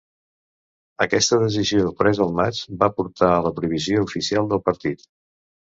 Aquesta decisió, presa al maig, va portar a la prohibició oficial del partit.